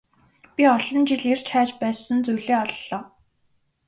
Би олон жил эрж хайж байсан зүйлээ оллоо.